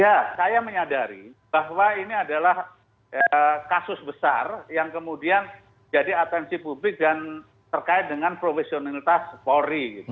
ya saya menyadari bahwa ini adalah kasus besar yang kemudian jadi atensi publik dan terkait dengan profesionalitas polri